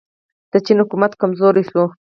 د چین حکومت کمزوری شو.